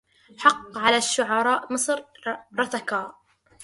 حق على شعراء مصر رثاكا